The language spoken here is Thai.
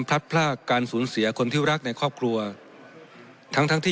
พลัดพลากการสูญเสียคนที่รักในครอบครัวทั้งทั้งที่